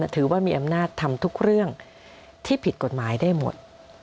ถือว่ามีอำนาจทำทุกเรื่องที่ผิดกฎหมายได้หมด